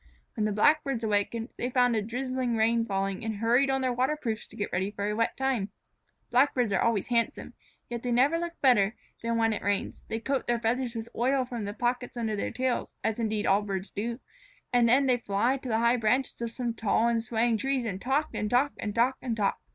When the Blackbirds awakened, they found a drizzling rain falling, and hurried on their waterproofs to get ready for a wet time. Blackbirds are always handsome, yet they never look better than when it rains. They coat their feathers with oil from the pockets under their tails, as indeed all birds do, and then they fly to the high branches of some tall and swaying tree and talk and talk and talk and talk.